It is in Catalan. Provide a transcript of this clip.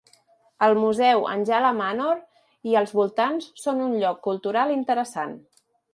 El museu Anjala Manor i els voltants són un lloc cultural interessant.